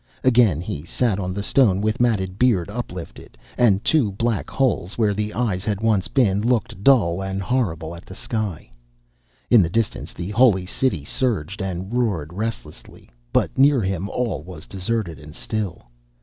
Again he sat on the stone with matted beard uplifted; and two black holes, where the eyes had once been, looked dull and horrible at the sky. In the distance the Holy City surged and roared restlessly, but near him all was deserted and still.